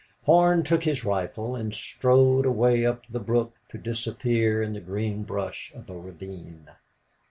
Horn took his rifle and strode away up the brook to disappear in the green brush of a ravine.